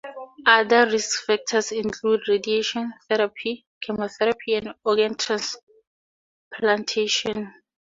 Other risk factors include radiation therapy, chemotherapy, and organ transplantation.